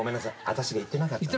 私が言ってなかったのよ。